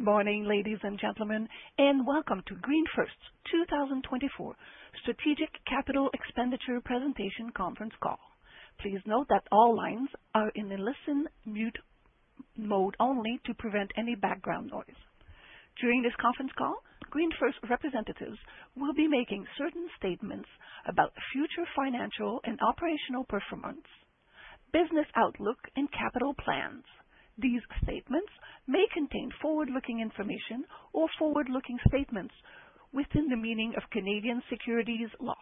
Good morning, ladies and gentlemen, and welcome to GreenFirst's 2024 Strategic Capital Expenditure Presentation Conference Call. Please note that all lines are in the listen/mute mode only to prevent any background noise. During this conference call, GreenFirst representatives will be making certain statements about future financial and operational performance, business outlook, and capital plans. These statements may contain forward-looking information or forward-looking statements within the meaning of Canadian Securities law.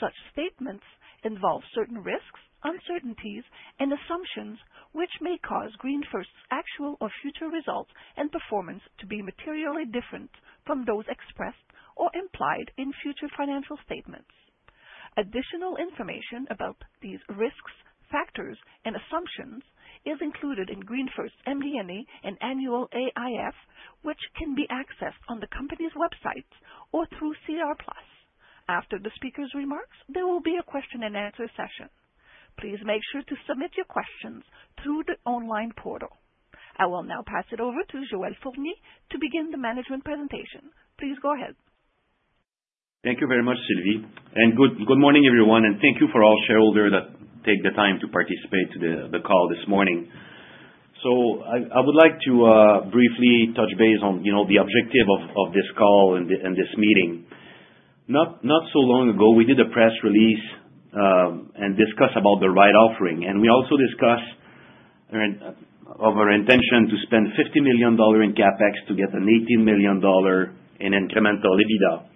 Such statements involve certain risks, uncertainties, and assumptions which may cause GreenFirst's actual or future results and performance to be materially different from those expressed or implied in future financial statements. Additional information about these risks, factors, and assumptions is included in GreenFirst's MD&A and annual AIF, which can be accessed on the company's websites or through SEDAR+. After the speakers' remarks, there will be a Q&A session. Please make sure to submit your questions through the online portal. I will now pass it over to Joel Fournier to begin the management presentation. Please go ahead. Thank you very much, Sylvie, and good morning, everyone, and thank you for all shareholders that take the time to participate in the call this morning, so I would like to briefly touch base on the objective of this call and this meeting. Not so long ago, we did a press release and discussed about the rights offering, and we also discussed our intention to spend 50 million dollars in CapEx to get 18 million dollar in incremental EBITDA,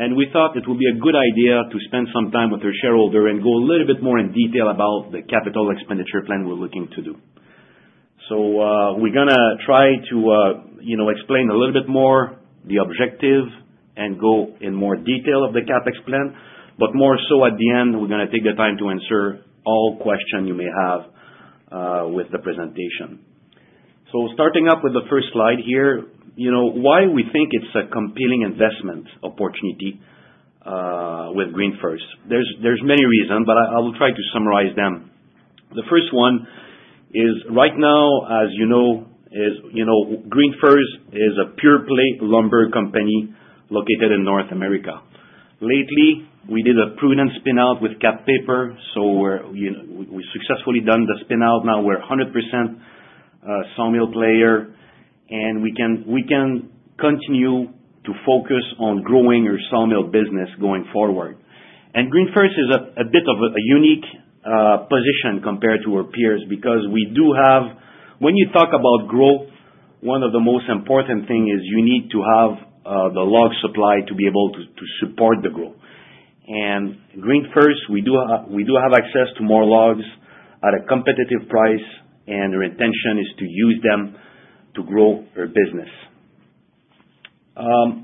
and we thought it would be a good idea to spend some time with our shareholders and go a little bit more in detail about the capital expenditure plan we're looking to do, so we're going to try to explain a little bit more the objective and go in more detail of the CapEx plan. But more so at the end, we're going to take the time to answer all questions you may have with the presentation. So starting up with the first slide here, why we think it's a compelling investment opportunity with GreenFirst? There's many reasons, but I will try to summarize them. The first one is right now, as you know, GreenFirst is a pure-play lumber company located in North America. Lately, we did a prudent Spin-out with Kap Paper, so we've successfully done the Spin-out. Now we're 100% sawmill player, and we can continue to focus on growing our sawmill business going forward. And GreenFirst is a bit of a unique position compared to our peers because we do have, when you talk about growth, one of the most important things is you need to have the log supply to be able to support the growth. GreenFirst, we do have access to more logs at a competitive price, and our intention is to use them to grow our business.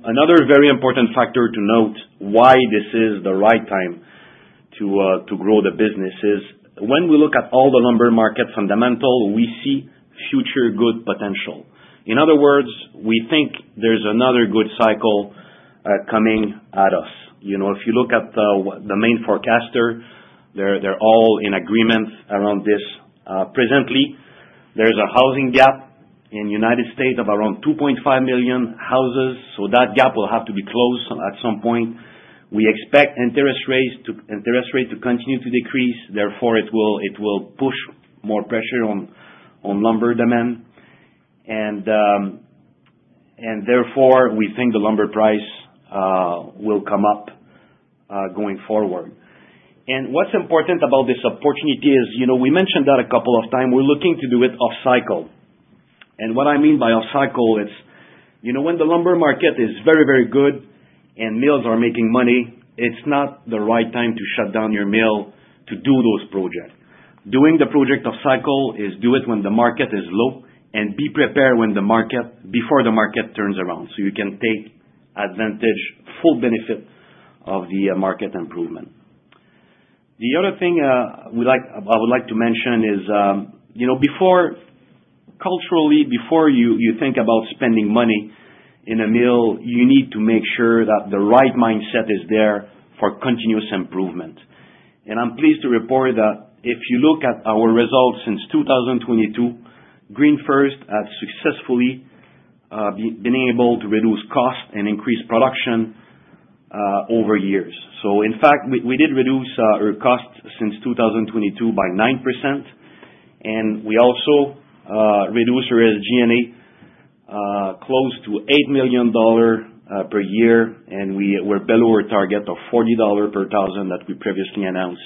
Another very important factor to note why this is the right time to grow the business is when we look at all the lumber market fundamentals, we see future good potential. In other words, we think there's another good cycle coming at us. If you look at the main forecaster, they're all in agreement around this. Presently, there's a housing gap in the United States of around 2.5 million houses, so that gap will have to be closed at some point. We expect interest rates to continue to decrease. Therefore, it will push more pressure on lumber demand. Therefore, we think the lumber price will come up going forward. What's important about this opportunity is we mentioned that a couple of times. We're looking to do it off-cycle. And what I mean by off-cycle is when the lumber market is very, very good and mills are making money, it's not the right time to shut down your mill to do those projects. Doing the project off-cycle is do it when the market is low and be prepared before the market turns around so you can take advantage, full benefit of the market improvement. The other thing I would like to mention is culturally, before you think about spending money in a mill, you need to make sure that the right mindset is there for continuous improvement. And I'm pleased to report that if you look at our results since 2022, GreenFirst has successfully been able to reduce costs and increase production over years. In fact, we did reduce our costs since 2022 by 9%, and we also reduced our G&A close to 8 million dollars per year, and we were below our target of 40 dollars per thousand that we previously announced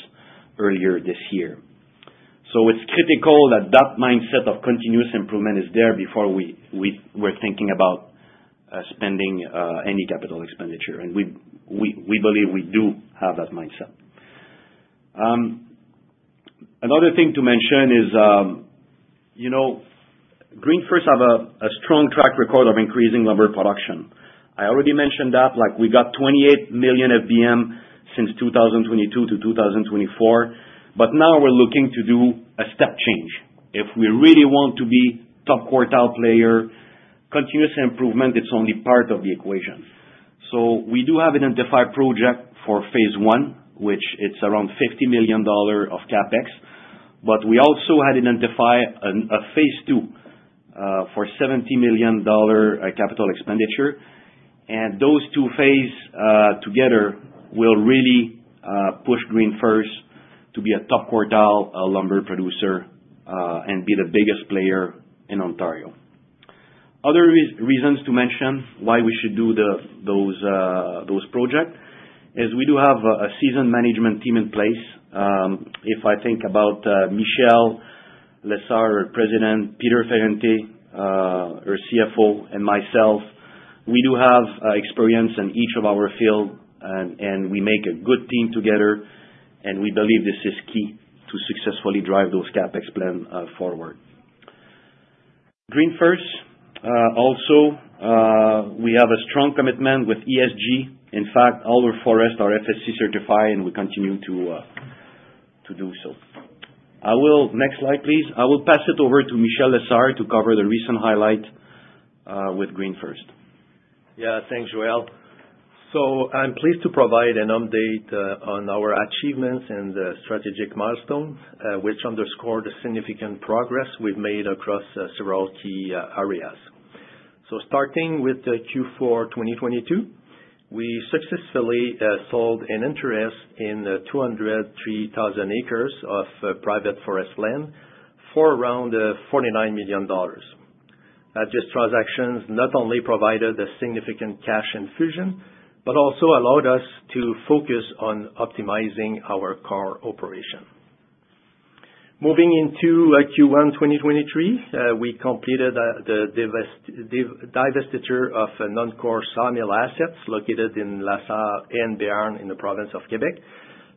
earlier this year. It's critical that that mindset of continuous improvement is there before we're thinking about spending any capital expenditure, and we believe we do have that mindset. Another thing to mention is GreenFirst has a strong track record of increasing lumber production. I already mentioned that we got 28 million FBM since 2022-2024, but now we're looking to do a step change. If we really want to be a top quartile player, continuous improvement, it's only part of the equation. We do have identified projects for phase I, which is around 50 million dollars of CapEx. But we also had identified a phase II for 70 million dollar capital expenditure. And those two phases together will really push GreenFirst to be a top quartile lumber producer and be the biggest player in Ontario. Other reasons to mention why we should do those projects is we do have a seasoned management team in place. If I think about Michel Lessard, our President, Peter Ferrante, our CFO, and myself, we do have experience in each of our fields, and we make a good team together, and we believe this is key to successfully drive those CapEx plans forward. GreenFirst, also, we have a strong commitment with ESG. In fact, all our forests are FSC certified, and we continue to do so. Next slide, please. I will pass it over to Michel Lessard to cover the recent highlight with GreenFirst. Yeah, thanks, Joel Fournier. So I'm pleased to provide an update on our achievements and strategic milestones, which underscore the significant progress we've made across several key areas. So starting with Q4 2022, we successfully sold an interest in 203,000 acres of private forest land for around 49 million dollars. These transactions not only provided a significant cash infusion but also allowed us to focus on optimizing our core operation. Moving into Q1 2023, we completed the divestiture of non-core sawmill assets located in La Sarre and Béarn in the province of Quebec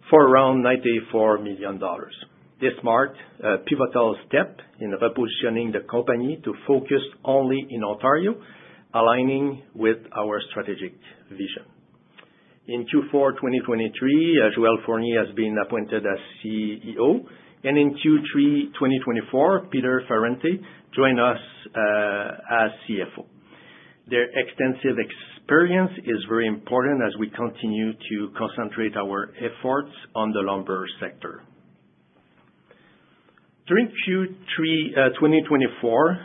for around 94 million dollars. This marked a pivotal step in repositioning the company to focus only in Ontario, aligning with our strategic vision. In Q4 2023, Joel Fournier has been appointed as CEO, and in Q3 2024, Peter Ferrante joined us as CFO. Their extensive experience is very important as we continue to concentrate our efforts on the lumber sector. During Q3 2024,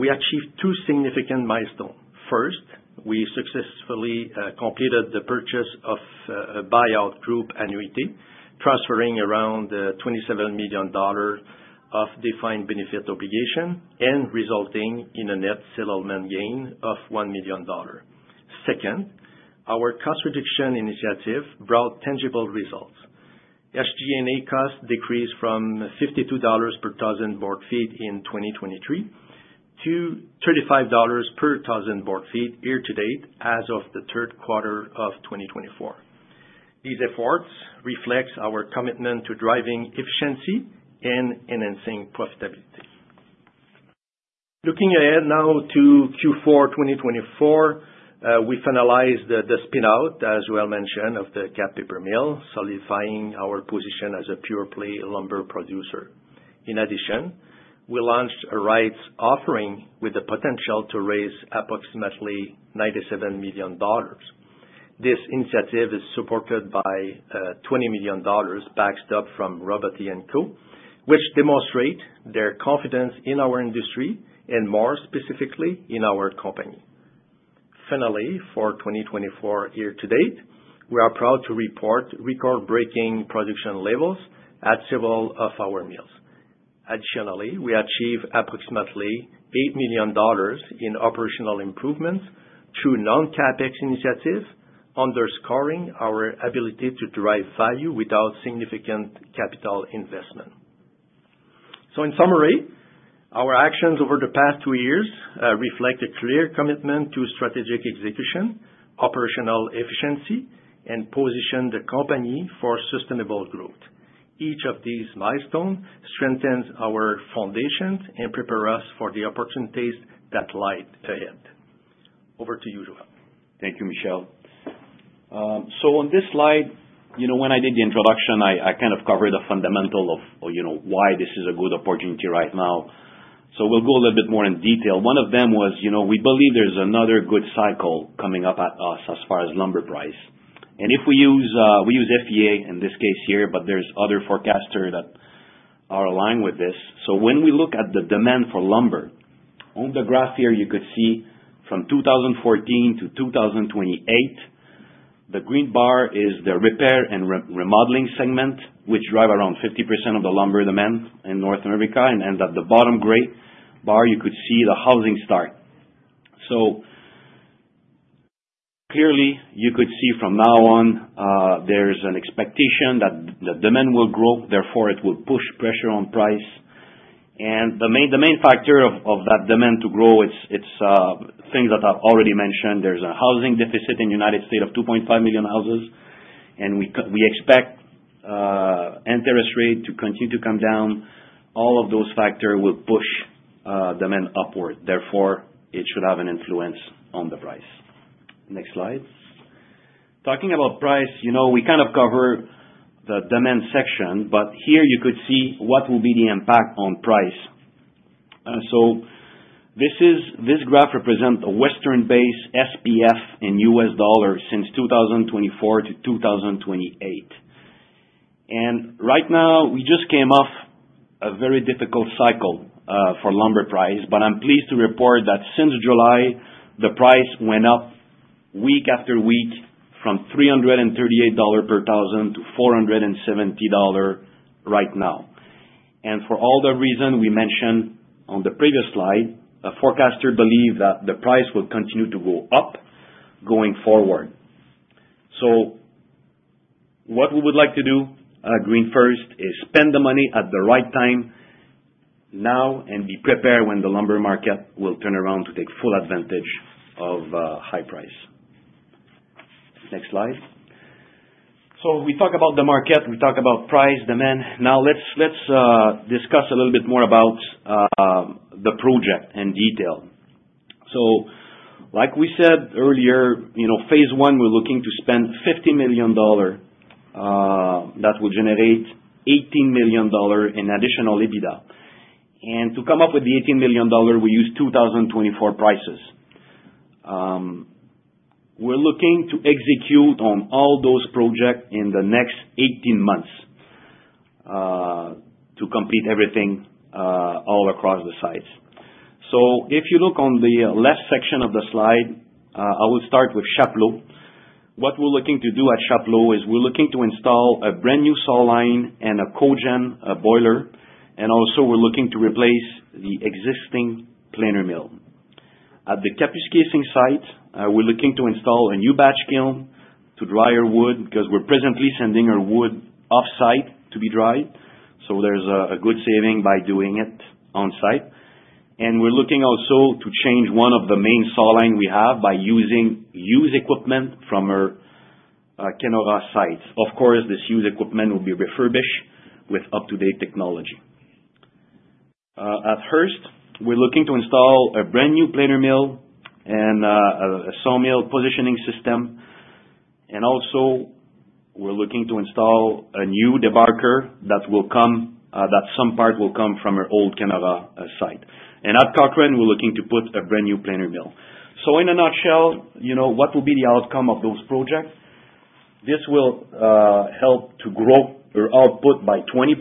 we achieved two significant milestones. First, we successfully completed the purchase of a buy-out group annuity, transferring around 27 million dollars of defined benefit obligation and resulting in a net settlement gain of 1 million dollar. Second, our cost reduction initiative brought tangible results. SG&A costs decreased from 52 dollars per thousand board feet in 2023 to 35 dollars per thousand board feet year-to-date as of the Q3 of 2024. These efforts reflect our commitment to driving efficiency and enhancing profitability. Looking ahead now to Q4 2024, we finalized the spin-out, as Joel Fournier mentioned, of the Kap Paper mill, solidifying our position as a pure-play lumber producer. In addition, we launched a rights offering with the potential to raise approximately 97 million dollars. This initiative is supported by 20 million dollars backed up from Robotti & Company, which demonstrates their confidence in our industry and more specifically in our company. Finally, for 2024 year-to-date, we are proud to report record-breaking production levels at several of our mills. Additionally, we achieved approximately 8 million dollars in operational improvements through non-CapEx initiatives, underscoring our ability to drive value without significant capital investment. So in summary, our actions over the past two years reflect a clear commitment to strategic execution, operational efficiency, and position the company for sustainable growth. Each of these milestones strengthens our foundations and prepares us for the opportunities that lie ahead. Over to you, Joel Fournier. Thank you, Michel Lessard. So on this slide, when I did the introduction, I kind of covered the fundamentals of why this is a good opportunity right now, so we'll go a little bit more in detail. One of them was we believe there's another good cycle coming up at us as far as lumber price. And if we use FEA in this case here, but there's other forecasters that are aligned with this, so when we look at the demand for lumber, on the graph here, you could see from 2014-2028, the green bar is the repair and remodeling segment, which drives around 50% of the lumber demand in North America. And at the bottom gray bar, you could see the housing start, so clearly, you could see from now on, there's an expectation that the demand will grow. Therefore, it will push pressure on price. And the main factor of that demand to grow, it's things that I've already mentioned. There's a housing deficit in the United States of 2.5 million houses, and we expect interest rates to continue to come down. All of those factors will push demand upward. Therefore, it should have an influence on the price. Next slide. Talking about price, we kind of covered the demand section, but here you could see what will be the impact on price. So this graph represents a Western-based SPF in U.S. dollars since 2024-2028. And right now, we just came off a very difficult cycle for lumber price, but I'm pleased to report that since July, the price went up week after week from 338 dollars per thousand to 470 dollars right now. For all the reasons we mentioned on the previous slide, forecasters believe that the price will continue to go up going forward. What we would like to do at GreenFirst is spend the money at the right time now and be prepared when the lumber market will turn around to take full advantage of high price. Next slide. We talk about the market, we talk about price, demand. Now let's discuss a little bit more about the project in detail. Like we said earlier, phase I, we're looking to spend 50 million dollar that will generate 18 million dollar in additional EBITDA. To come up with the 18 million dollar, we use 2024 prices. We're looking to execute on all those projects in the next 18 months to complete everything all across the sites. So if you look on the left section of the slide, I will start with Chapleau. What we're looking to do at Chapleau is we're looking to install a brand new saw line and a cogeneration boiler, and also we're looking to replace the existing planer mill. At the Kapuskasing site, we're looking to install a new batch kiln to dry our wood because we're presently sending our wood off-site to be dried, so there's a good saving by doing it on-site. And we're looking also to change one of the main saw lines we have by using used equipment from our Kenora sites. Of course, this used equipment will be refurbished with up-to-date technology. At Hearst, we're looking to install a brand new planer mill and a sawmill positioning system, and also we're looking to install a new debarkers that some part will come from our old Kenora site, and at Cochrane, we're looking to put a brand new planer mill. So in a nutshell, what will be the outcome of those projects? This will help to grow our output by 20%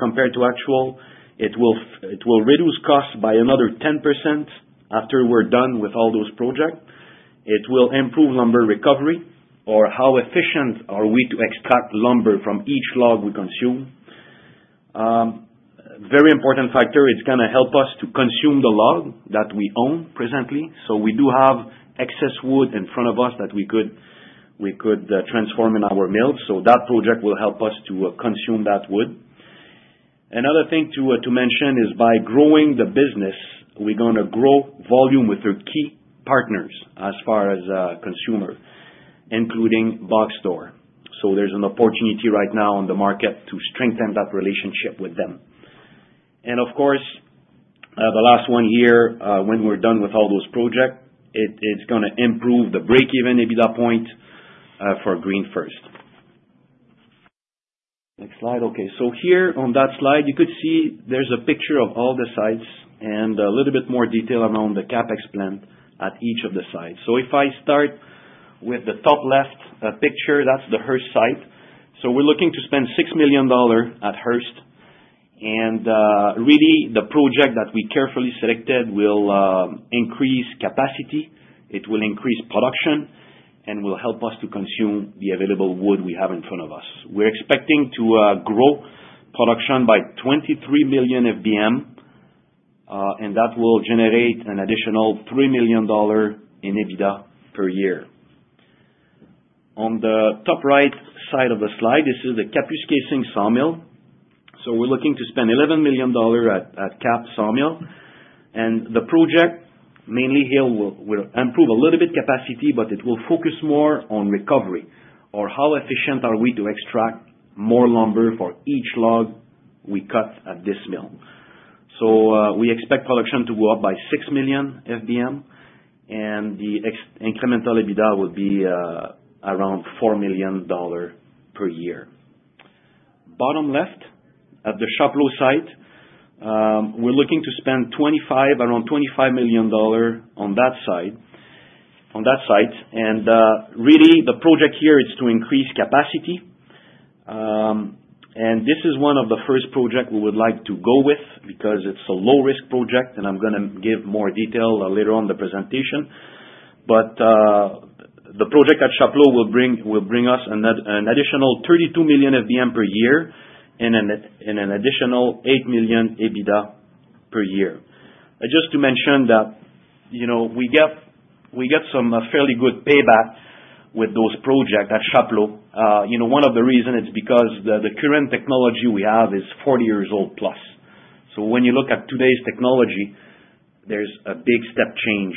compared to actual. It will reduce costs by another 10% after we're done with all those projects. It will improve lumber recovery or how efficient are we to extract lumber from each log we consume. Very important factor, it's going to help us to consume the log that we own presently. So we do have excess wood in front of us that we could transform in our mills, so that project will help us to consume that wood. Another thing to mention is by growing the business, we're going to grow volume with our key partners as far as consumers, including Box Store. So there's an opportunity right now on the market to strengthen that relationship with them. And of course, the last one here, when we're done with all those projects, it's going to improve the break-even EBITDA point for GreenFirst. Next slide. Okay. So here on that slide, you could see there's a picture of all the sites and a little bit more detail around the CapEx plan at each of the sites. So if I start with the top left picture, that's the Hearst site. So we're looking to spend 6 million dollars at Hearst, and really, the project that we carefully selected will increase capacity, it will increase production, and will help us to consume the available wood we have in front of us. We're expecting to grow production by 23 million FBM, and that will generate an additional 3 million dollars in EBITDA per year. On the top right side of the slide, this is the Kapuskasing sawmill. So we're looking to spend 11 million dollars at Kapuskasing sawmill, and the project mainly here will improve a little bit capacity, but it will focus more on recovery or how efficient are we to extract more lumber for each log we cut at this mill. So we expect production to go up by 6 million FBM, and the incremental EBITDA would be around 4 million dollars per year. Bottom left, at the Chapleau site, we're looking to spend around 25 million dollars on that site. Really, the project here is to increase capacity, and this is one of the first projects we would like to go with because it's a low-risk project, and I'm going to give more detail later on in the presentation. The project at Chapleau will bring us an additional 32 million FBM per year and an additional 8 million EBITDA per year. Just to mention that we get some fairly good payback with those projects at Chapleau. One of the reasons is because the current technology we have is 40 years old +. When you look at today's technology, there's a big step change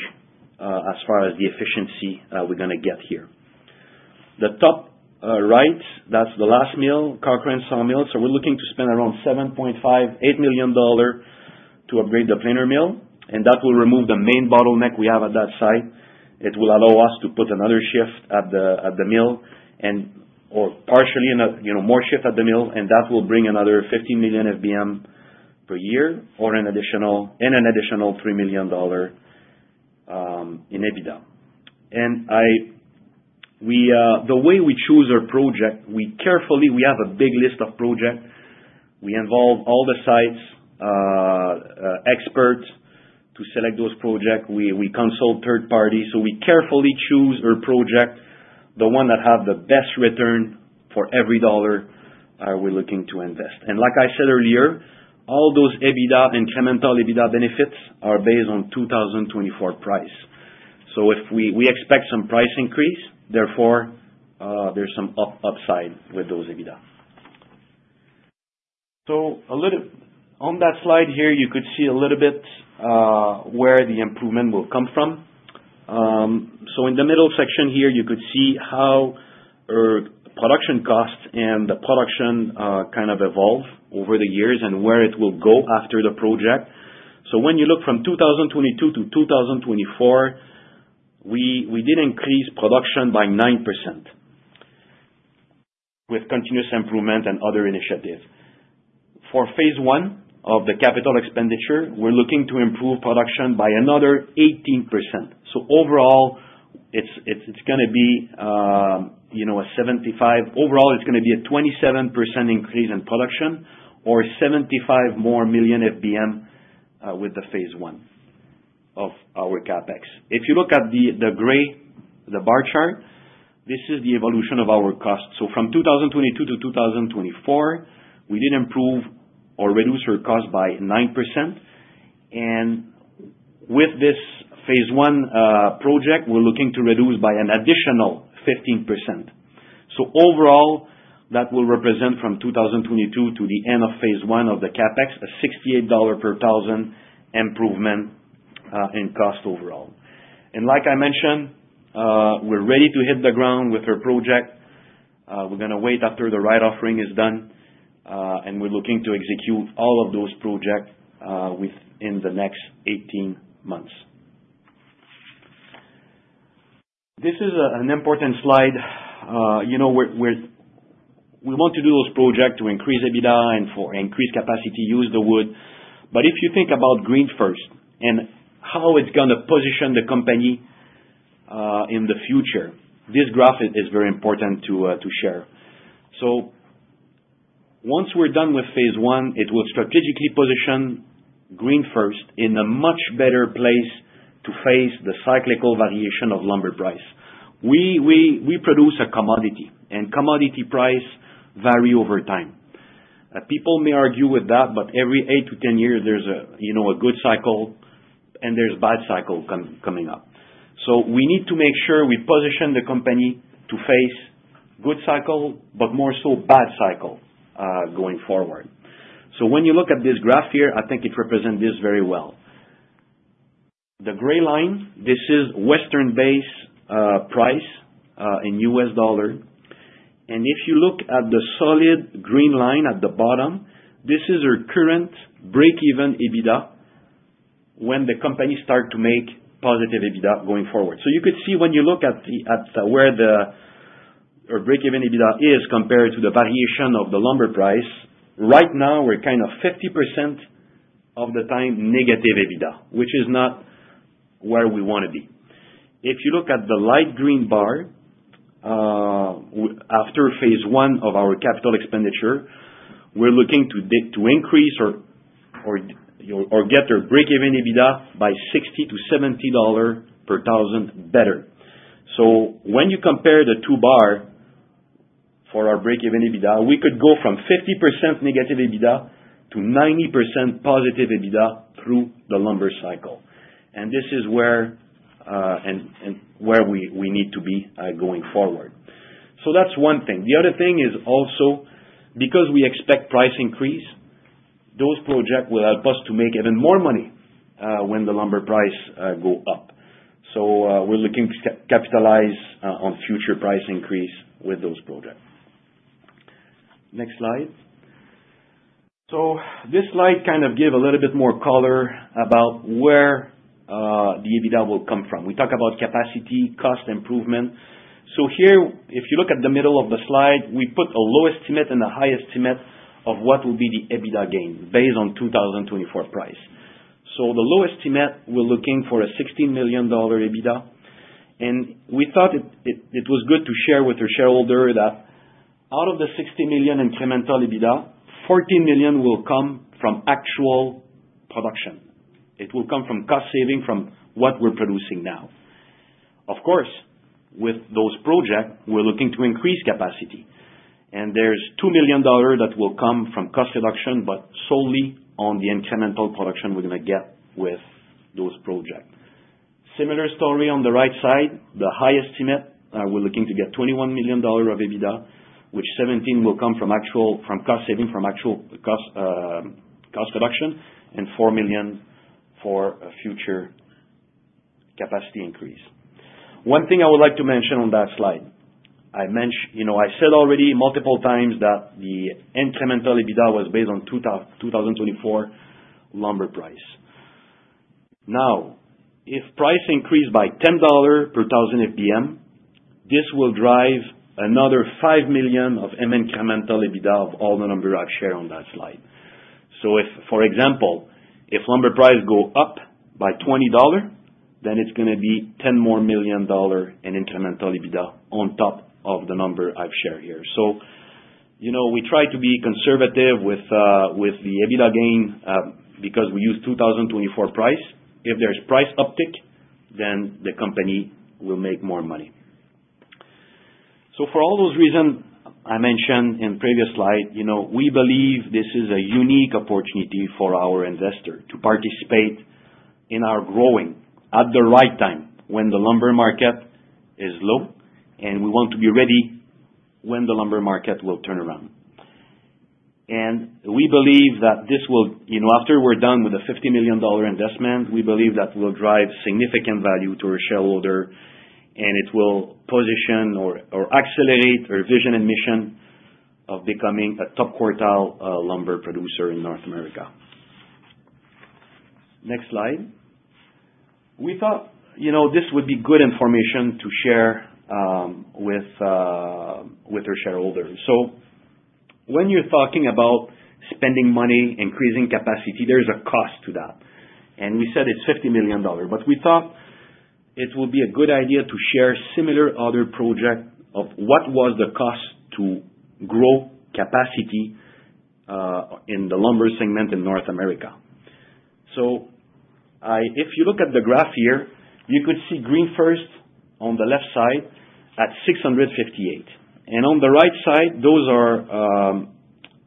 as far as the efficiency we're going to get here. The top right, that's the last mill, Cochrane sawmill. We're looking to spend around 7.5-8 million dollars to upgrade the planer mill, and that will remove the main bottleneck we have at that site. It will allow us to put another shift at the mill or partially more shift at the mill, and that will bring another 15 million FBM per year and an additional 3 million dollar in EBITDA. And the way we choose our project, we have a big list of projects. We involve all the sites, experts to select those projects. We consult third parties. So we carefully choose our project, the one that has the best return for every dollar we're looking to invest. And like I said earlier, all those EBITDA and incremental EBITDA benefits are based on 2024 price. So we expect some price increase. Therefore, there's some upside with those EBITDA. On that slide here, you could see a little bit where the improvement will come from. In the middle section here, you could see how our production costs and the production kind of evolve over the years and where it will go after the project. When you look from 2022- 2024, we did increase production by 9% with continuous improvement and other initiatives. For phase I of the capital expenditure, we're looking to improve production by another 18%. Overall, it's going to be a 27% increase in production or 75 more million FBM with the phase I of our CapEx. If you look at the gray, the bar chart, this is the evolution of our costs. From 2022-2024, we did improve or reduce our cost by 9%. With this phase I project, we're looking to reduce by an additional 15%. So overall, that will represent from 2022 to the end of phase I of the CapEx, a $68 per thousand improvement in cost overall. And like I mentioned, we're ready to hit the ground with our project. We're going to wait after the rights offering is done, and we're looking to execute all of those projects within the next 18 months. This is an important slide. We want to do those projects to increase EBITDA and for increased capacity, use the wood. But if you think about GreenFirst and how it's going to position the company in the future, this graph is very important to share. So once we're done with phase I, it will strategically position GreenFirst in a much better place to face the cyclical variation of lumber price. We produce a commodity, and commodity prices vary over time. People may argue with that, but every eight to 10 years, there's a good cycle and there's a bad cycle coming up. So we need to make sure we position the company to face good cycle, but more so bad cycle going forward. So when you look at this graph here, I think it represents this very well. The gray line, this is Western-based price in U.S. dollars. And if you look at the solid green line at the bottom, this is our current break-even EBITDA when the company starts to make positive EBITDA going forward. So you could see when you look at where our break-even EBITDA is compared to the variation of the lumber price, right now we're kind of 50% of the time negative EBITDA, which is not where we want to be. If you look at the light green bar after phase I of our capital expenditure, we're looking to increase or get our break-even EBITDA by 60-70 dollars per thousand better. So when you compare the two bars for our break-even EBITDA, we could go from 50% negative EBITDA to 90% positive EBITDA through the lumber cycle. And this is where we need to be going forward. So that's one thing. The other thing is also because we expect price increase, those projects will help us to make even more money when the lumber price goes up. So we're looking to capitalize on future price increase with those projects. Next slide. So this slide kind of gives a little bit more color about where the EBITDA will come from. We talk about capacity, cost improvement. So here, if you look at the middle of the slide, we put the lowest limit and the highest limit of what will be the EBITDA gain based on 2024 price. So the lowest limit, we're looking for a 16 million dollar EBITDA. And we thought it was good to share with our shareholder that out of the 16 million incremental EBITDA, 14 million will come from actual production. It will come from cost saving from what we're producing now. Of course, with those projects, we're looking to increase capacity. And there's 2 million dollars that will come from cost reduction, but solely on the incremental production we're going to get with those projects. Similar story on the right side, the highest limit, we're looking to get 21 million dollars of EBITDA, which 17 million will come from cost saving from actual cost reduction and 4 million for future capacity increase. One thing I would like to mention on that slide. I said already multiple times that the incremental EBITDA was based on 2024 lumber price. Now, if price increases by $10 per thousand FBM, this will drive another $5 million of incremental EBITDA of all the number I've shared on that slide. So for example, if lumber prices go up by $20, then it's going to be $10 more in incremental EBITDA on top of the number I've shared here. So we try to be conservative with the EBITDA gain because we use 2024 price. If there's price uptick, then the company will make more money. For all those reasons I mentioned in the previous slide, we believe this is a unique opportunity for our investor to participate in our growing at the right time when the lumber market is low, and we want to be ready when the lumber market will turn around. We believe that this will, after we're done with the 50 million dollar investment, we believe that will drive significant value to our shareholder, and it will position or accelerate our vision and mission of becoming a top quartile lumber producer in North America. Next slide. We thought this would be good information to share with our shareholders. When you're talking about spending money, increasing capacity, there's a cost to that. We said it's 50 million dollars, but we thought it would be a good idea to share similar other projects of what was the cost to grow capacity in the lumber segment in North America. If you look at the graph here, you could see GreenFirst on the left side at 658. On the right side, those are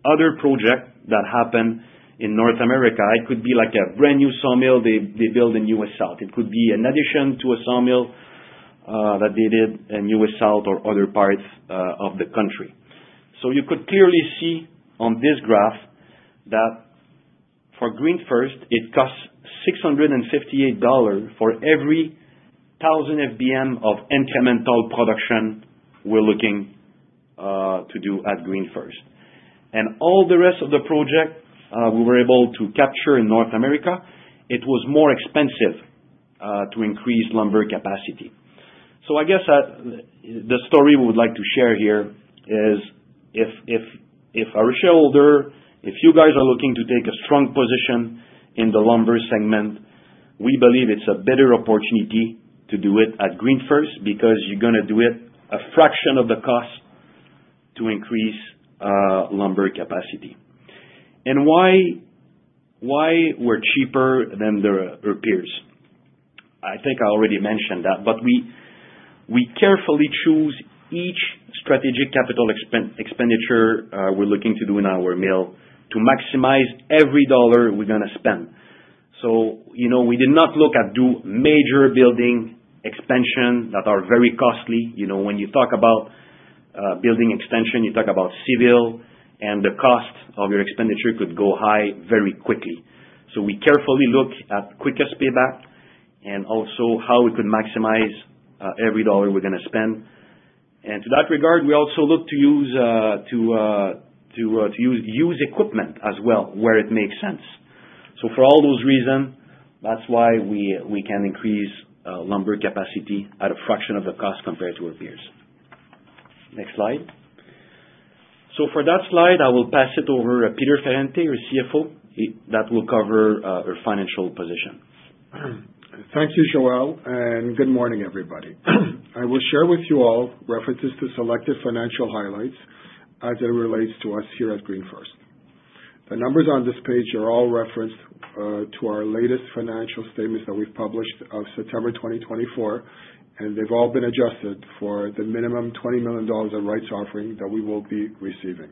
other projects that happen in North America. It could be like a brand new sawmill they build in U.S. South. It could be an addition to a sawmill that they did in U.S. South or other parts of the country. You could clearly see on this graph that for GreenFirst, it costs 658 dollars for every thousand FBM of incremental production we're looking to do at GreenFirst. And all the rest of the projects we were able to capture in North America, it was more expensive to increase lumber capacity. So I guess the story we would like to share here is if our shareholder, if you guys are looking to take a strong position in the lumber segment, we believe it's a better opportunity to do it at GreenFirst because you're going to do it a fraction of the cost to increase lumber capacity. And why we're cheaper than our peers? I think I already mentioned that, but we carefully choose each strategic capital expenditure we're looking to do in our mill to maximize every dollar we're going to spend. So we did not look at doing major building expansions that are very costly. When you talk about building expansion, you talk about civil, and the cost of your expenditure could go high very quickly. So we carefully look at quickest payback and also how we could maximize every dollar we're going to spend. And to that regard, we also look to use equipment as well where it makes sense. So for all those reasons, that's why we can increase lumber capacity at a fraction of the cost compared to our peers. Next slide. So for that slide, I will pass it over to Peter Ferrante, our CFO, that will cover our financial position. Thank you, Joel Fournier, and good morning, everybody. I will share with you all references to selected financial highlights as it relates to us here at GreenFirst. The numbers on this page are all referenced to our latest financial statements that we've published as of September 2024, and they've all been adjusted for the minimum 20 million dollars of rights offering that we will be receiving.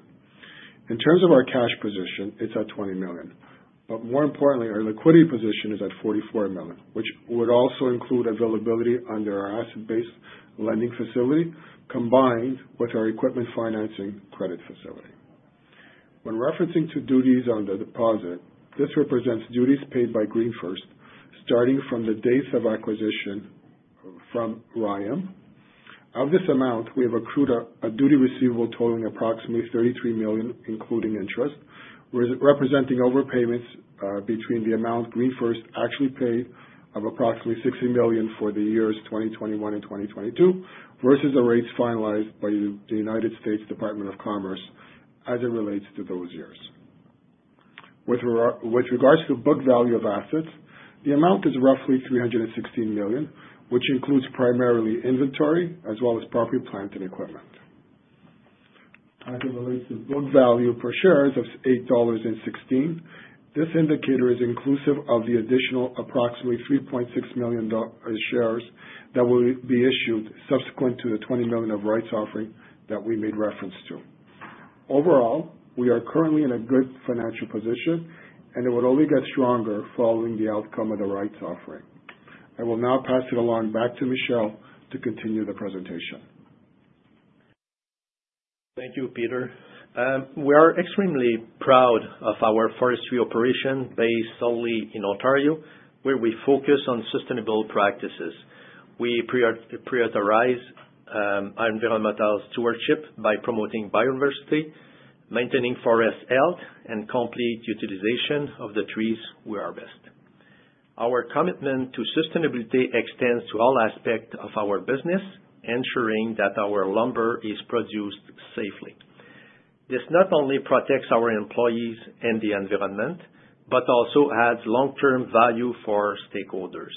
In terms of our cash position, it's at 20 million. But more importantly, our liquidity position is at 44 million, which would also include availability under our asset-based lending facility combined with our equipment financing credit facility. When referencing to duties on the deposit, this represents duties paid by GreenFirst starting from the dates of acquisition from Rayonier. Of this amount, we have accrued a duty receivable totaling approximately CAD 33 million, including interest, representing overpayments between the amount GreenFirst actually paid of approximately 60 million for the years 2021 and 2022 versus the rates finalized by the United States Department of Commerce as it relates to those years. With regards to book value of assets, the amount is roughly 316 million, which includes primarily inventory as well as property, plant, and equipment. As it relates to book value per shares of 8.16 dollars, this indicator is inclusive of the additional approximately 3.6 million shares that will be issued subsequent to the 20 million of rights offering that we made reference to. Overall, we are currently in a good financial position, and it will only get stronger following the outcome of the rights offering. I will now pass it along back to Michel Lessard to continue the presentation. Thank you, Peter Ferrante. We are extremely proud of our forestry operation based solely in Ontario, where we focus on sustainable practices. We prioritize environmental stewardship by promoting biodiversity, maintaining forest health, and complete utilization of the trees where best. Our commitment to sustainability extends to all aspects of our business, ensuring that our lumber is produced safely. This not only protects our employees and the environment, but also adds long-term value for stakeholders.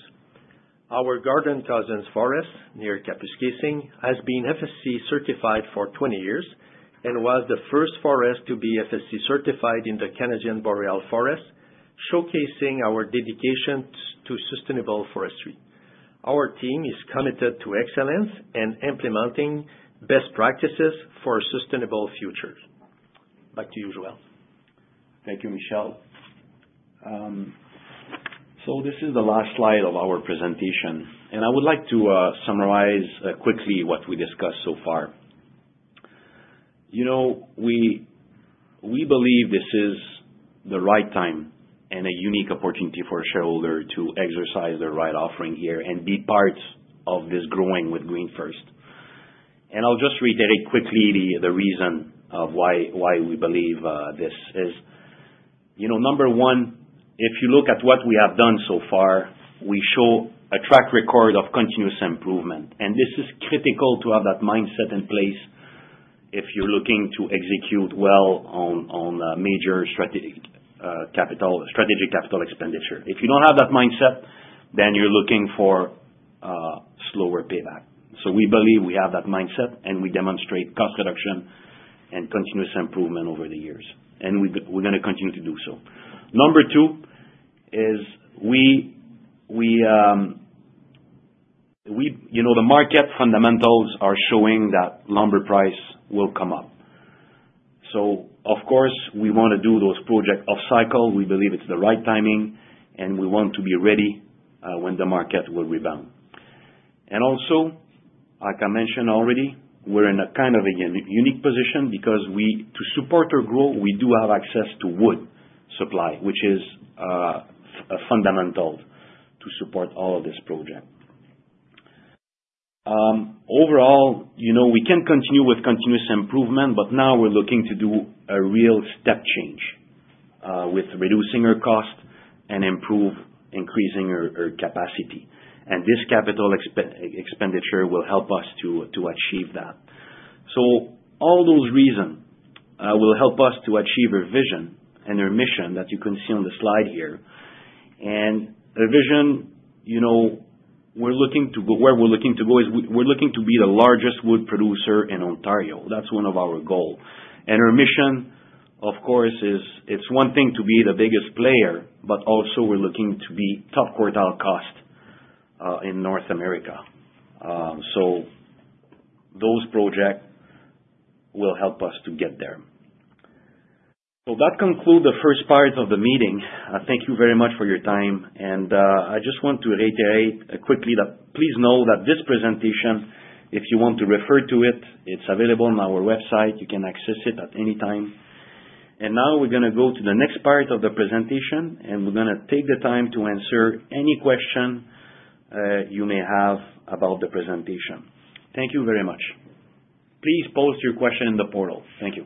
Our Gordon Cosens Forest near Kapuskasing has been FSC certified for 20 years and was the first forest to be FSC certified in the Canadian Boreal Forest, showcasing our dedication to sustainable forestry. Our team is committed to excellence and implementing best practices for a sustainable future. Back to you, Joel Fournier. Thank you, Michel Lessard. This is the last slide of our presentation, and I would like to summarize quickly what we discussed so far. We believe this is the right time and a unique opportunity for a shareholder to exercise their rights offering here and be part of this growing with GreenFirst. And I'll just reiterate quickly the reason of why we believe this is. Number one, if you look at what we have done so far, we show a track record of continuous improvement, and this is critical to have that mindset in place if you're looking to execute well on major strategic capital expenditure. If you don't have that mindset, then you're looking for slower payback. We believe we have that mindset, and we demonstrate cost reduction and continuous improvement over the years, and we're going to continue to do so. Number two is the market fundamentals are showing that lumber price will come up. Of course, we want to do those projects off-cycle. We believe it's the right timing, and we want to be ready when the market will rebound. Also, like I mentioned already, we're in a kind of a unique position because to support our growth, we do have access to wood supply, which is fundamental to support all of this project. Overall, we can continue with continuous improvement, but now we're looking to do a real step change with reducing our cost and increasing our capacity. This capital expenditure will help us to achieve that. All those reasons will help us to achieve our vision and our mission that you can see on the slide here. Our vision, where we're looking to go is we're looking to be the largest wood producer in Ontario. That's one of our goals. Our mission, of course, is it's one thing to be the biggest player, but also we're looking to be top quartile cost in North America. So those projects will help us to get there. So that concludes the first part of the meeting. Thank you very much for your time. And I just want to reiterate quickly that please know that this presentation, if you want to refer to it, it's available on our website. You can access it at any time. And now we're going to go to the next part of the presentation, and we're going to take the time to answer any question you may have about the presentation. Thank you very much. Please post your question in the portal. Thank you.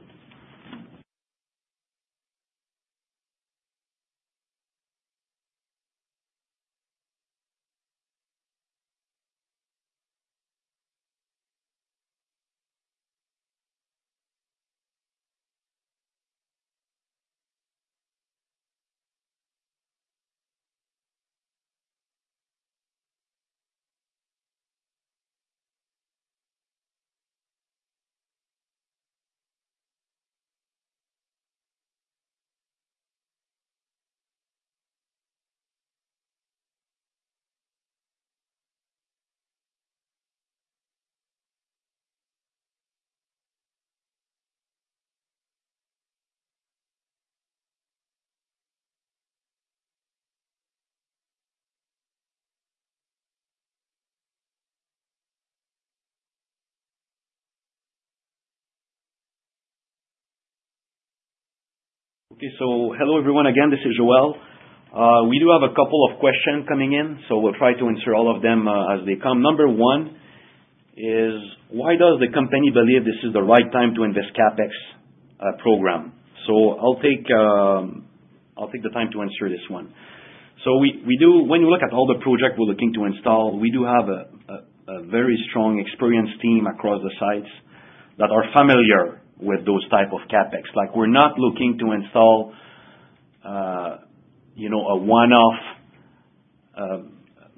Okay. So hello, everyone again. This is Joel Fournier. We do have a couple of questions coming in, so we'll try to answer all of them as they come. Number one is, why does the company believe this is the right time to invest in the CapEx program? I'll take the time to answer this one. When you look at all the projects we're looking to install, we do have a very strong experienced team across the sites that are familiar with those types of CapEx. We're not looking to install a one-off,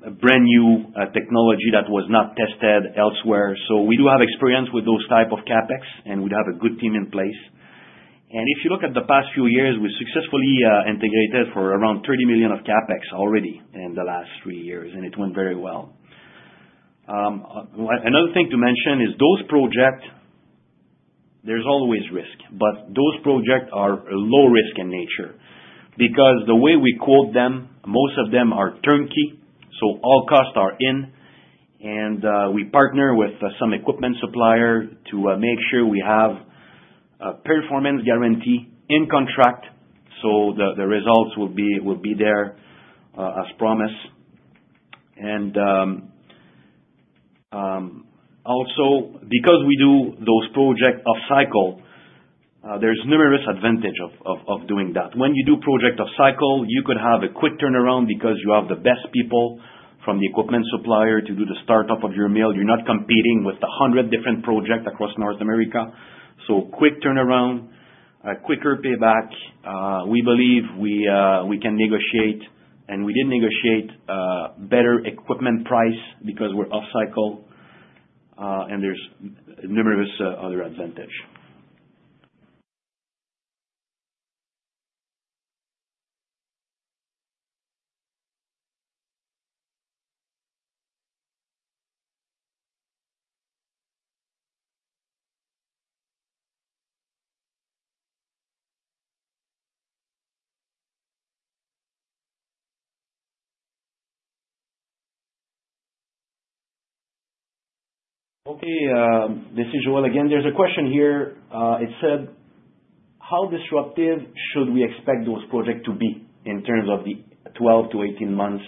a brand new technology that was not tested elsewhere. We do have experience with those types of CapEx, and we'd have a good team in place. If you look at the past few years, we've successfully integrated around 30 million of CapEx already in the last three years, and it went very well. Another thing to mention is those projects. There's always risk, but those projects are low-risk in nature because the way we quote them, most of them are turnkey, so all costs are in. We partner with some equipment suppliers to make sure we have a performance guarantee in contract, so the results will be there as promised. Also, because we do those projects off-cycle, there's numerous advantages of doing that. When you do projects off-cycle, you could have a quick turnaround because you have the best people from the equipment supplier to do the startup of your mill. You're not competing with 100 different projects across North America. Quick turnaround, quicker payback. We believe we can negotiate, and we did negotiate better equipment price because we're off-cycle, and there's numerous other advantages. Okay. This is Joel Fournier again. There's a question here. It said, how disruptive should we expect those projects to be in terms of the 12- to 18-month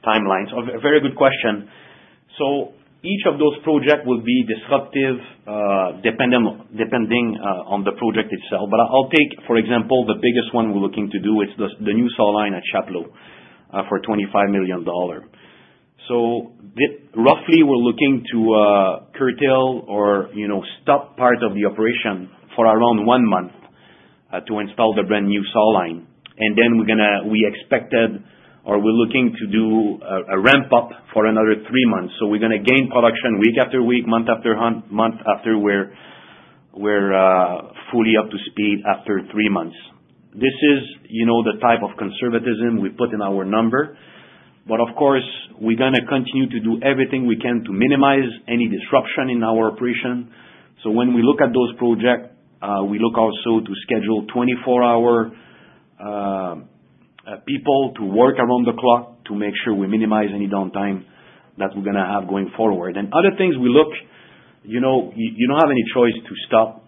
timelines? Very good question. Each of those projects will be disruptive depending on the project itself. But I'll take, for example, the biggest one we're looking to do. It's the new saw line at Chapleau for 25 million dollar. So roughly, we're looking to curtail or stop part of the operation for around one month to install the brand new saw line. And then we expected or we're looking to do a ramp-up for another three months. So we're going to gain production week after week, month after month after we're fully up to speed after three months. This is the type of conservatism we put in our number. But of course, we're going to continue to do everything we can to minimize any disruption in our operation. So when we look at those projects, we look also to schedule 24-hour people to work around the clock to make sure we minimize any downtime that we're going to have going forward. Other things we look, you don't have any choice to stop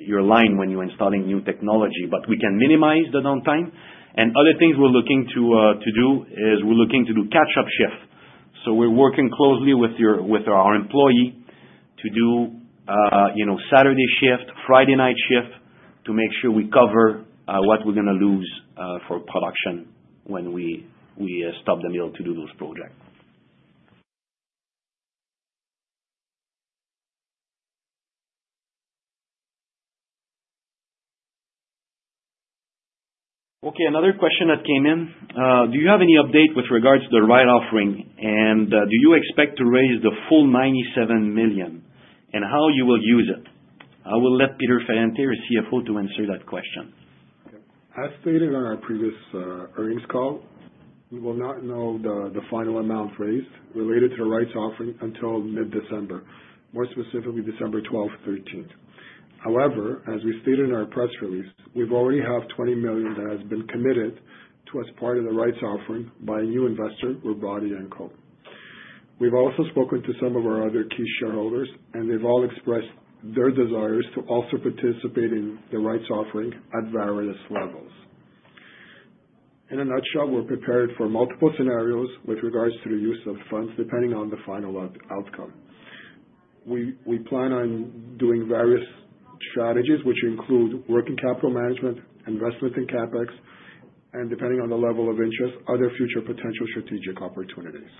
your line when you're installing new technology, but we can minimize the downtime. Other things we're looking to do is we're looking to do catch-up shift. So we're working closely with our employee to do Saturday shift, Friday night shift to make sure we cover what we're going to lose for production when we stop the mill to do those projects. Okay. Another question that came in. Do you have any update with regards to the rights offering, and do you expect to raise the full 97 million and how you will use it? I will let Peter Ferrante, our CFO, to answer that question. As stated on our previous earnings call, we will not know the final amount raised related to the rights offering until mid-December, more specifically December 12th, 13th. However, as we stated in our press release, we've already had 20 million that has been committed to us part of the rights offering by a new investor, Robotti & Co. We've also spoken to some of our other key shareholders, and they've all expressed their desires to also participate in the rights offering at various levels. In a nutshell, we're prepared for multiple scenarios with regards to the use of funds depending on the final outcome. We plan on doing various strategies, which include working capital management, investment in CapEx, and depending on the level of interest, other future potential strategic opportunities.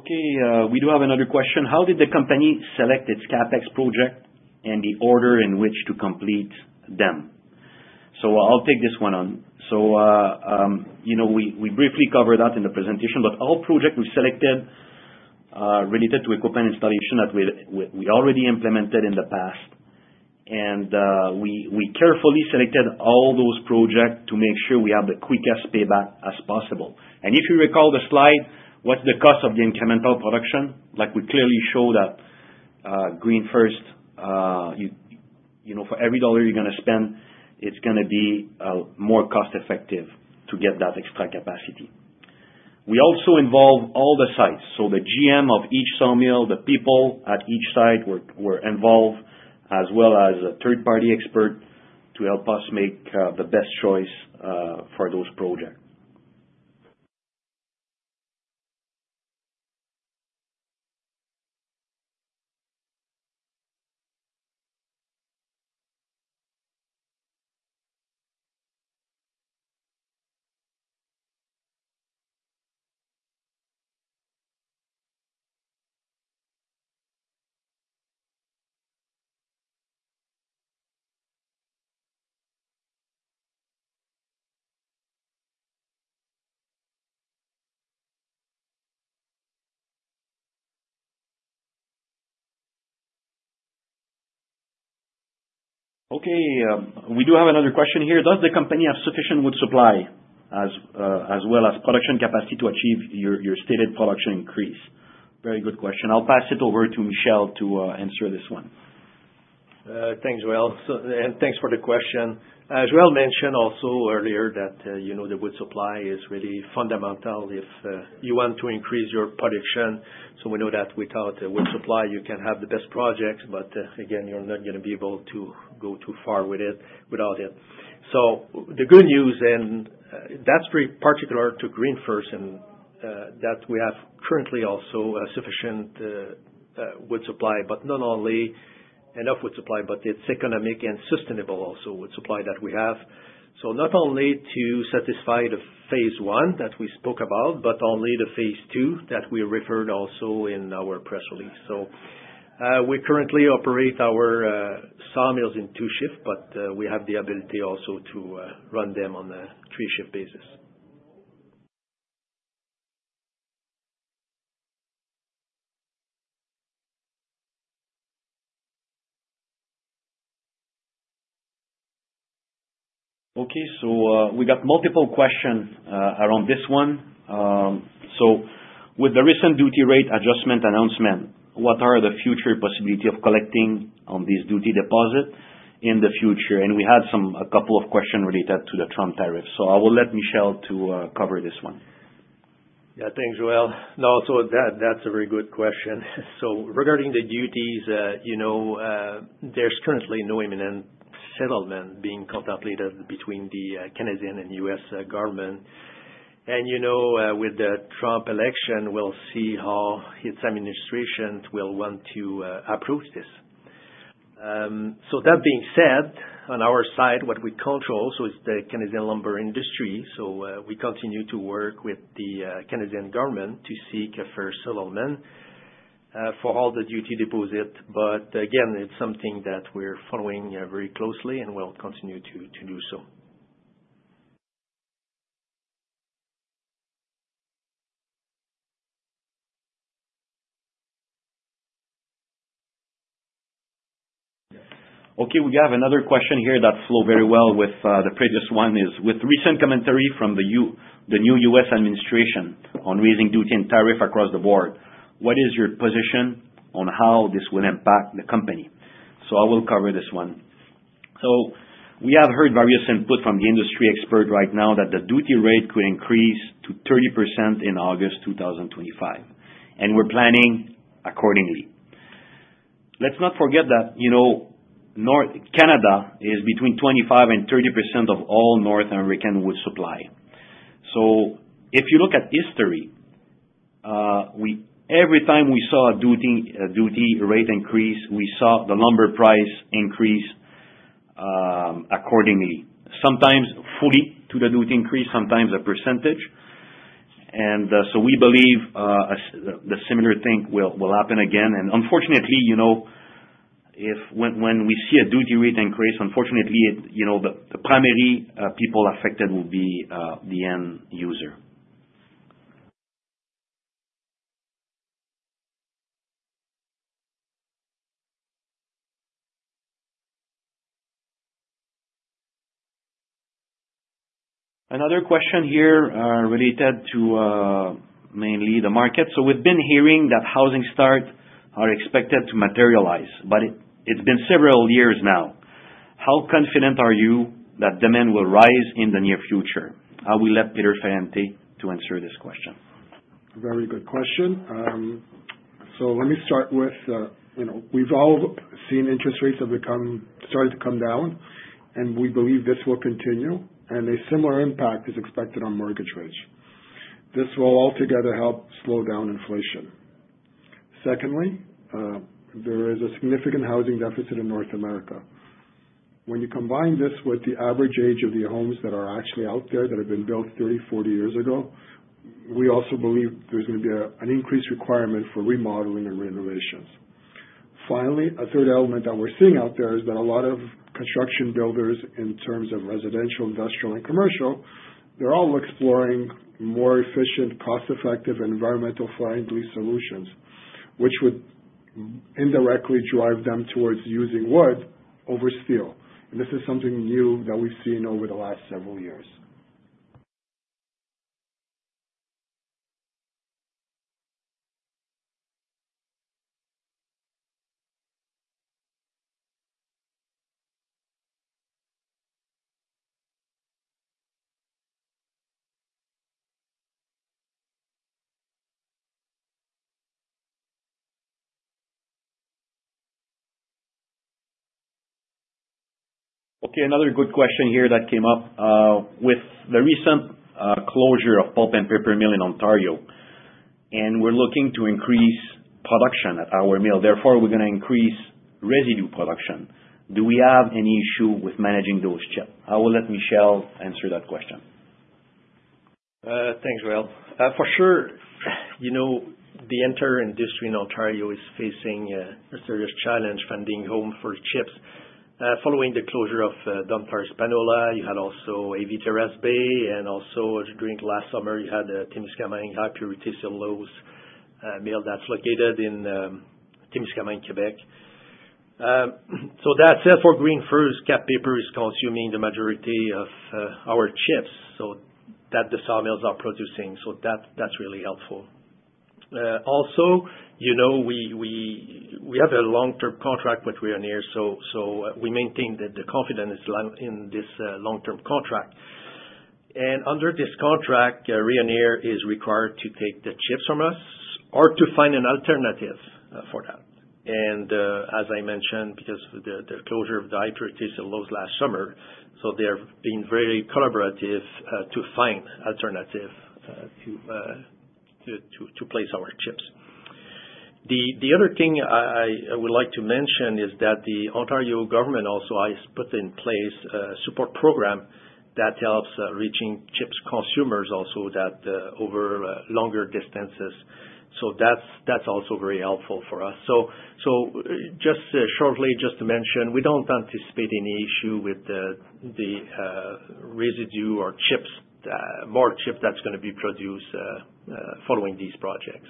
Okay. We do have another question. How did the company select its CapEx project and the order in which to complete them? So I'll take this one on. So we briefly covered that in the presentation, but all projects we selected related to equipment installation that we already implemented in the past. And we carefully selected all those projects to make sure we have the quickest payback as possible. And if you recall the slide, what's the cost of the incremental production? We clearly show that GreenFirst, for every dollar you're going to spend, it's going to be more cost-effective to get that extra capacity. We also involve all the sites. So the GM of each sawmill, the people at each site were involved, as well as a third-party expert to help us make the best choice for those projects. Okay. We do have another question here. Does the company have sufficient wood supply as well as production capacity to achieve your stated production increase? Very good question. I'll pass it over to Michel Lessard to answer this one. Thanks, Joel Fournier. And thanks for the question. As Joel Fournier mentioned also earlier that the wood supply is really fundamental if you want to increase your production. So we know that without wood supply, you can have the best projects, but again, you're not going to be able to go too far without it. So the good news, and that's very particular to GreenFirst, is that we have currently also sufficient wood supply, but not only enough wood supply, but it's economic and sustainable also wood supply that we have. So not only to satisfy the phase I that we spoke about, but only the phase II that we referred also in our press release. So we currently operate our sawmills in two shifts, but we have the ability also to run them on a three-shift basis. Okay. We got multiple questions around this one. With the recent duty rate adjustment announcement, what are the future possibilities of collecting on this duty deposit in the future? We had a couple of questions related to the Donald Trump tariff. I will let Michel Lessard cover this one. Yeah. Thanks, Joel Fournier. No, that's a very good question. Regarding the duties, there's currently no imminent settlement being contemplated between the Canadian and U.S. government. With the Donald Trump election, we'll see how its administration will want to approach this. That being said, on our side, what we control also is the Canadian lumber industry. We continue to work with the Canadian government to seek a fair settlement for all the duty deposit. But again, it's something that we're following very closely, and we'll continue to do so. Okay. We have another question here that flowed very well with the previous one. It's with recent commentary from the new U.S. administration on raising duty and tariff across the board. What is your position on how this will impact the company? So I will cover this one. So we have heard various input from the industry expert right now that the duty rate could increase to 30% in August 2025, and we're planning accordingly. Let's not forget that Canada is between 25% and 30% of all North American wood supply. So if you look at history, every time we saw a duty rate increase, we saw the lumber price increase accordingly, sometimes fully to the duty increase, sometimes a percentage. And so we believe the similar thing will happen again. And unfortunately, when we see a duty rate increase, unfortunately, the primary people affected will be the end user. Another question here related to mainly the market. So we've been hearing that housing starts are expected to materialize, but it's been several years now. How confident are you that demand will rise in the near future? I will let Peter Ferrante to answer this question. Very good question. So let me start with, we've all seen interest rates have started to come down, and we believe this will continue, and a similar impact is expected on mortgage rates. This will altogether help slow down inflation. Secondly, there is a significant housing deficit in North America. When you combine this with the average age of the homes that are actually out there that have been built 30-40 years ago, we also believe there's going to be an increased requirement for remodeling and renovations. Finally, a third element that we're seeing out there is that a lot of construction builders, in terms of residential, industrial, and commercial, they're all exploring more efficient, cost-effective, environmentally friendly solutions, which would indirectly drive them towards using wood over steel. And this is something new that we've seen over the last several years. Okay. Another good question here that came up with the recent closure of the Kap Paper Mill in Ontario, and we're looking to increase production at our mill. Therefore, we're going to increase residue production. Do we have any issue with managing those chips? I will let Michel Lessard answer that question. Thanks, Joel Fournier. For sure, the entire industry in Ontario is facing a serious challenge finding a home for chips. Following the closure of Domtar Espanola, you had also AV Terrace Bay, and also during last summer, you had Témiscaming High Purity Cellulose Mill that's located in Témiscaming, Quebec, so that's it for GreenFirst. CapEx is consuming the majority of our chips that the sawmills are producing, so that's really helpful. Also, we have a long-term contract with Rayonier, so we maintain the confidence in this long-term contract, and under this contract, Rayonier is required to take the chips from us or to find an alternative for that, and as I mentioned, because of the closure of the Témiscaming High Purity Cellulose last summer, so they've been very collaborative to find alternatives to place our chips. The other thing I would like to mention is that the Ontario government also has put in place a support program that helps reaching chips consumers also over longer distances. So that's also very helpful for us. So just shortly, just to mention, we don't anticipate any issue with the residual or more chips that's going to be produced following these projects.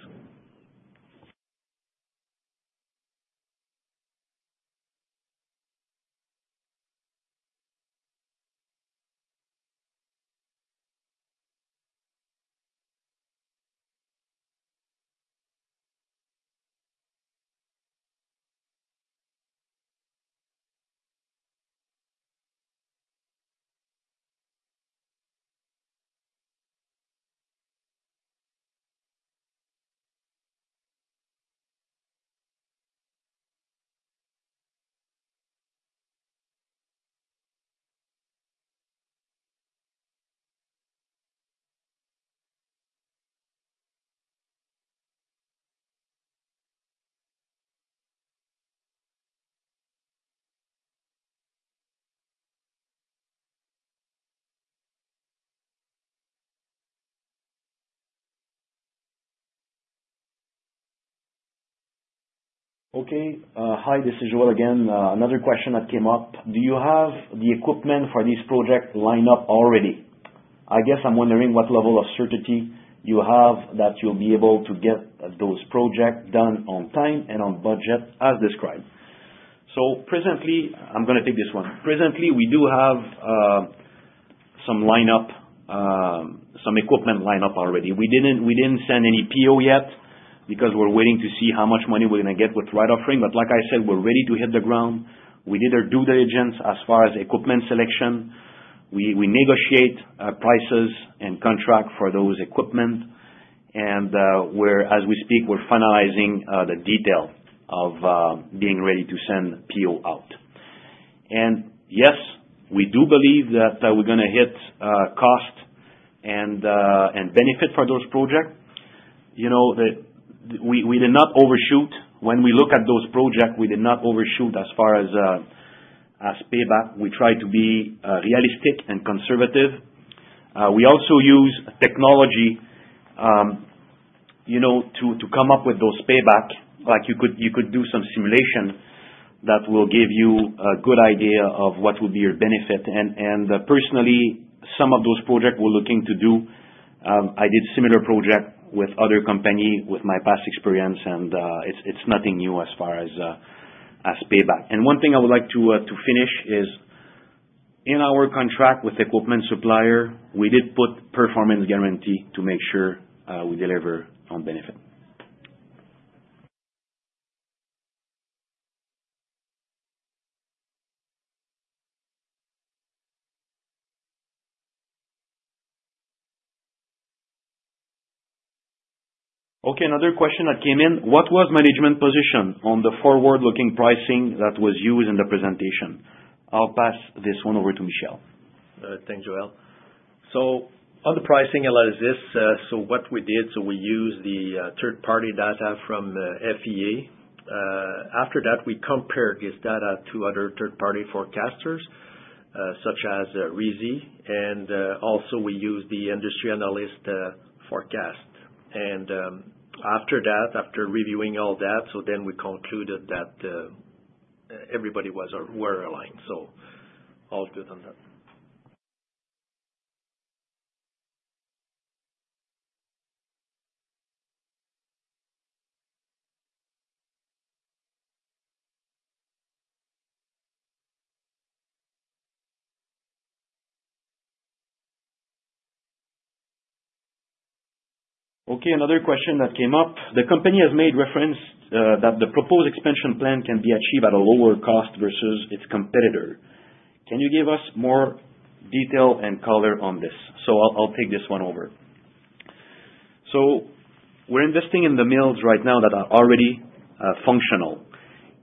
Okay. Hi, this is Joel Fournier again. Another question that came up. Do you have the equipment for this project lined up already? I guess I'm wondering what level of certainty you have that you'll be able to get those projects done on time and on budget as described. So presently, I'm going to take this one. Presently, we do have some equipment lined up already. We didn't send any PO yet because we're waiting to see how much money we're going to get with rights offering. But like I said, we're ready to hit the ground. We did our due diligence as far as equipment selection. We negotiate prices and contracts for those equipment. And as we speak, we're finalizing the detail of being ready to send PO out. And yes, we do believe that we're going to hit cost and benefit for those projects. We did not overshoot. When we look at those projects, we did not overshoot as far as payback. We tried to be realistic and conservative. We also use technology to come up with those payback. You could do some simulation that will give you a good idea of what will be your benefit. And personally, some of those projects we're looking to do, I did similar projects with other companies with my past experience, and it's nothing new as far as payback. And one thing I would like to finish is in our contract with the equipment supplier, we did put performance guarantee to make sure we deliver on benefit. Okay. Another question that came in. What was management's position on the forward-looking pricing that was used in the presentation? I'll pass this one over to Michel Lessard. Thanks, Joel Fournier, so on the pricing analysis, so what we did, so we used the third-party data from FEA. After that, we compared this data to other third-party forecasters such as RISI, and also we used the industry analyst forecast and after that, after reviewing all that, so then we concluded that everybody was aligned, so all good on that. Okay. Another question that came up. The company has made reference that the proposed expansion plan can be achieved at a lower cost versus its competitor. Can you give us more detail and color on this, so I'll take this one over, so we're investing in the mills right now that are already functional.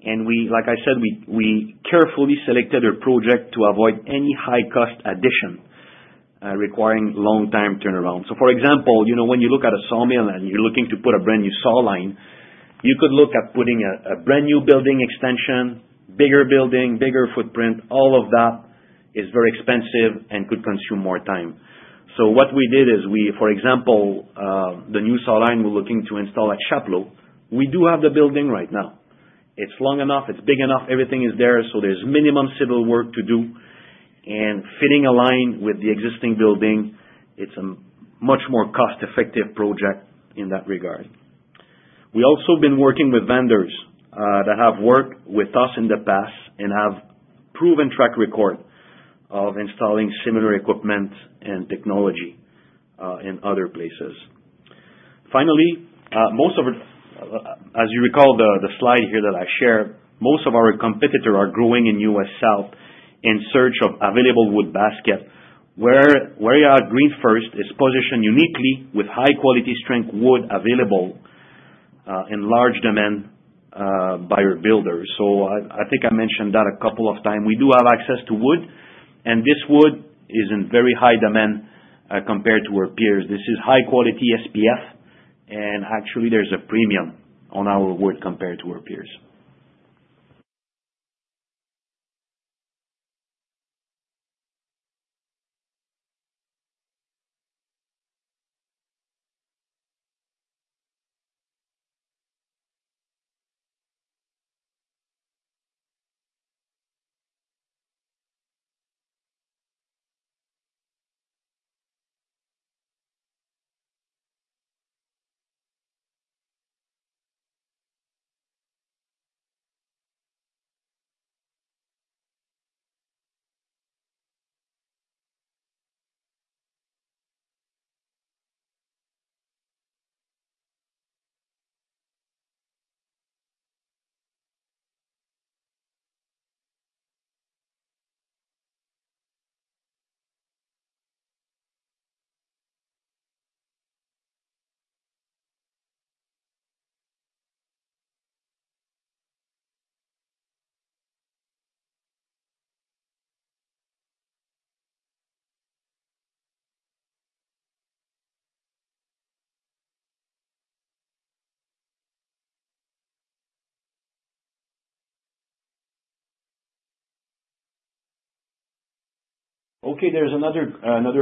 And like I said, we carefully selected a project to avoid any high-cost addition requiring long-time turnaround. So for example, when you look at a sawmill and you're looking to put a brand new saw line, you could look at putting a brand new building extension, bigger building, bigger footprint. All of that is very expensive and could consume more time. So what we did is, for example, the new saw line we're looking to install at Chapleau, we do have the building right now. It's long enough, it's big enough, everything is there, so there's minimum civil work to do. And fitting a line with the existing building, it's a much more cost-effective project in that regard. We also have been working with vendors that have worked with us in the past and have proven track record of installing similar equipment and technology in other places. Finally, as you recall the slide here that I shared, most of our competitors are growing in U.S. South in search of available wood basket, whereas GreenFirst is positioned uniquely with high-quality strength wood available in large demand by our builders. I think I mentioned that a couple of times. We do have access to wood, and this wood is in very high demand compared to our peers. This is high-quality SPF, and actually, there's a premium on our wood compared to our peers. Okay. There's another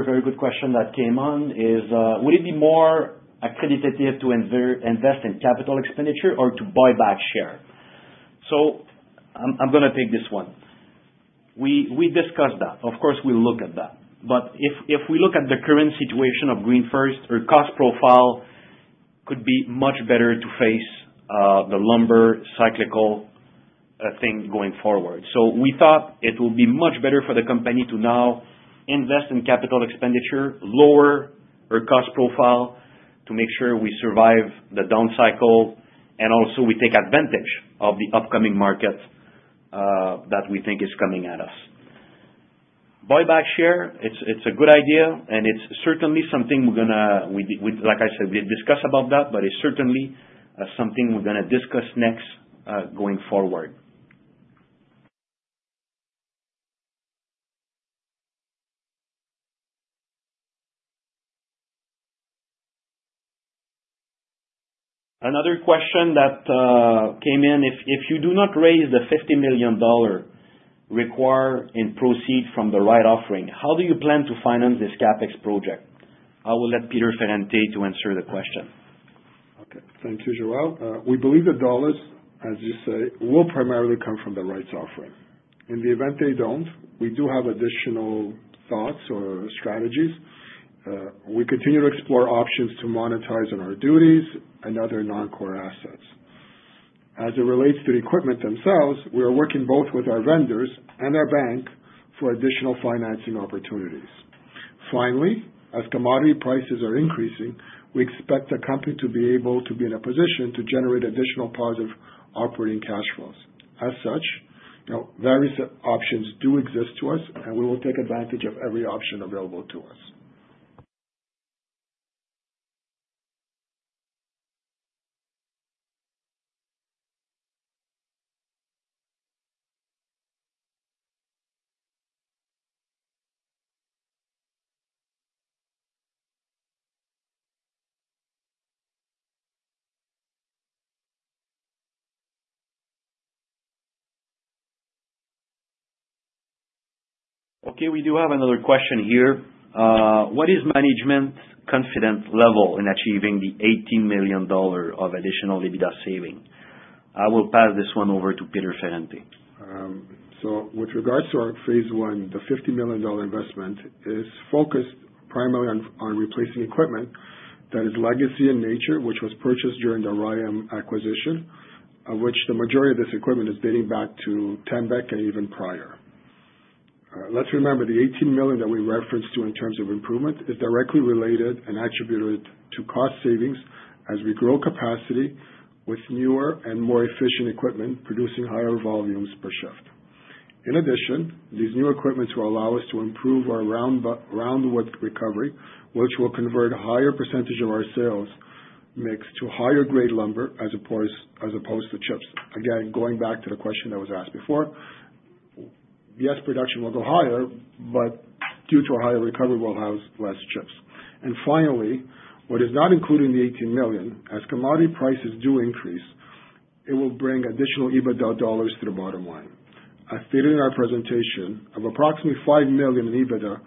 very good question that came on. Would it be more attractive to invest in CapEx or to buy back share? I'm going to take this one. We discussed that. Of course, we'll look at that. But if we look at the current situation of GreenFirst, our cost profile could be much better to face the lumber cyclical thing going forward. So we thought it would be much better for the company to now invest in capital expenditure, lower our cost profile to make sure we survive the down cycle, and also we take advantage of the upcoming market that we think is coming at us. Buy back share, it's a good idea, and it's certainly something we're going to, like I said, we discussed about that, but it's certainly something we're going to discuss next going forward. Another question that came in: If you do not raise the 50 million dollar required in proceeds from the rights offering, how do you plan to finance this CapEx project? I will let Peter Ferrante to answer the question. Okay. Thank you, Joel Fournier. We believe the dollars, as you say, will primarily come from the rights offering. In the event they don't, we do have additional thoughts or strategies. We continue to explore options to monetize on our duties and other non-core assets. As it relates to the equipment themselves, we are working both with our vendors and our bank for additional financing opportunities. Finally, as commodity prices are increasing, we expect the company to be able to be in a position to generate additional positive operating cash flows. As such, various options do exist to us, and we will take advantage of every option available to us. Okay. We do have another question here. What is management's confidence level in achieving the 18 million dollars of additional EBITDA saving? I will pass this one over to Peter Ferrante. With regards to our phase I, the 50 million dollar investment is focused primarily on replacing equipment that is legacy in nature, which was purchased during the RYAM acquisition, of which the majority of this equipment is dating back to Tembec and even prior. Let's remember the 18 million that we referenced to in terms of improvement is directly related and attributed to cost savings as we grow capacity with newer and more efficient equipment producing higher volumes per shift. In addition, these new equipments will allow us to improve our roundwood recovery, which will convert a higher percentage of our sales mix to higher-grade lumber as opposed to chips. Again, going back to the question that was asked before, yes, production will go higher, but due to our higher recovery, we'll have less chips. Finally, what is not included in the $18 million, as commodity prices do increase, it will bring additional EBITDA dollars to the bottom line. As stated in our presentation, of approximately $5 million in EBITDA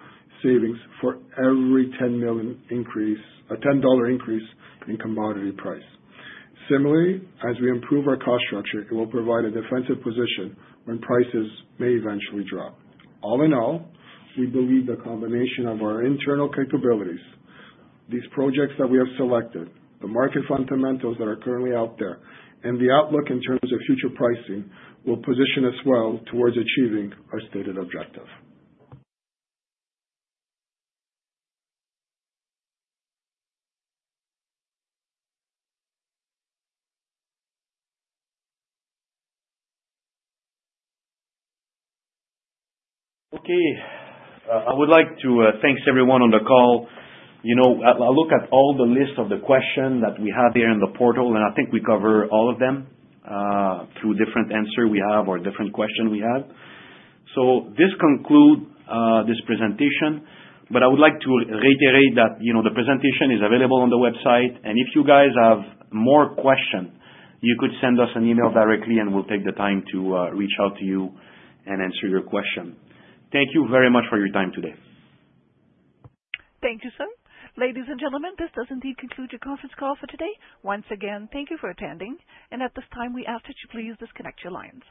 savings for every $10 dollar increase in commodity price. Similarly, as we improve our cost structure, it will provide a defensive position when prices may eventually drop. All in all, we believe the combination of our internal capabilities, these projects that we have selected, the market fundamentals that are currently out there, and the outlook in terms of future pricing will position us well towards achieving our stated objective. Okay. I would like to thank everyone on the call. I look at all the list of the questions that we have here in the portal, and I think we cover all of them through different answers we have or different questions we have. So this concludes this presentation, but I would like to reiterate that the presentation is available on the website, and if you guys have more questions, you could send us an email directly, and we'll take the time to reach out to you and answer your question. Thank you very much for your time today. Thank you, sir. Ladies and gentlemen, this does indeed conclude your conference call for today. Once again, thank you for attending, and at this time, we ask that you please disconnect your lines.